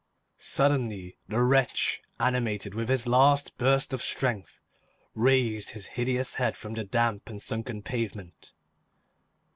Suddenly the wretch, animated with his last burst of strength, raised his hideous head from the damp and sunken pavement.